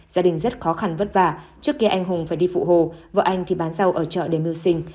gia đình rất khó khăn vất vả trước kia anh hùng phải đi phụ hồ vợ anh thì bán rau ở chợ để mưu sinh